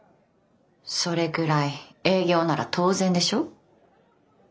それくらい営業なら当然でしょ。